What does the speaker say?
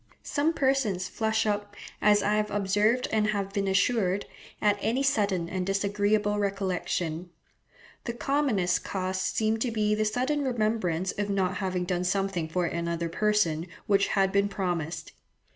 Some persons flush up, as I have observed and have been assured, at any sudden and disagreeable recollection. The commonest cause seems to be the sudden remembrance of not having done something for another person which had been promised.